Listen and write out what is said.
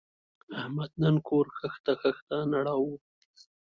احمد نن کور خښته خښته نړاوه.